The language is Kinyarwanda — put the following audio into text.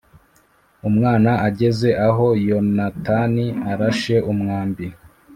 Umwana ageze aho Yonatani arashe umwambi